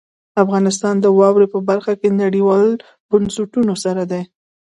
افغانستان د واورې په برخه کې نړیوالو بنسټونو سره دی.